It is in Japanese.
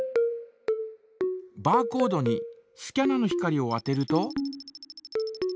バーコードにスキャナの光を当てると。